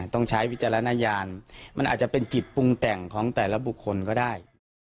ต้องใช้วิจารณญาณมันอาจจะเป็นจิตปรุงแต่งของแต่ละบุคคลก็ได้